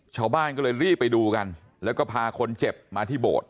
ชาวบ้านก็เลยรีบไปดูกันแล้วก็พาคนเจ็บมาที่โบสถ์